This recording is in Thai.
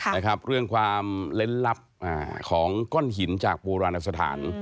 นะครับเรื่องความเล่นลับของก้อนหินจากโบราณสถาน